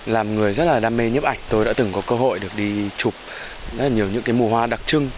làm người rất là đam mê nhấp ảnh tôi đã từng có cơ hội được đi chụp rất là nhiều những cái mùa hoa đặc trưng